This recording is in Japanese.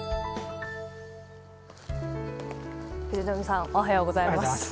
藤富さん、おはようございます。